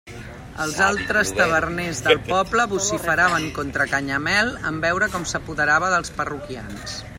Els altres taverners del poble vociferaven contra Canyamel en veure com s'apoderava dels parroquians.